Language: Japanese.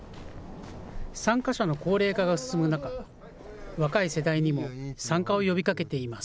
参加者の高齢化が進む中、若い世代にも参加を呼びかけています。